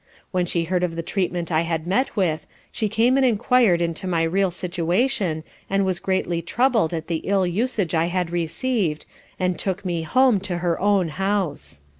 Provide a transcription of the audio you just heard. When she heard of the treatment I had met with, she came and enquired into my real situation and was greatly troubled at the ill usage I had received, and took me home to her own house.